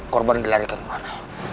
korban dilarikan kemana